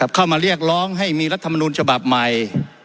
เข้ามาเรียกร้องให้มีรัฐมนุนฉบับใหม่